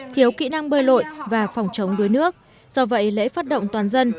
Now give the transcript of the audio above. thiếu kỹ năng bơi lội và phòng chống đuối nước do vậy lễ phát động toàn dân